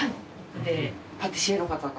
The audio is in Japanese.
パティシエの方が？